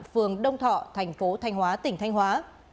phường đông thọ thành phố thanh hóa tỉnh thanh hóa